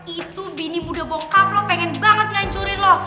itu bini muda bokap lo pengen banget ngancurin lo